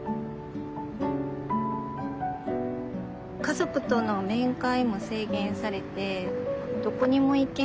家族との面会も制限されてどこにも行けない。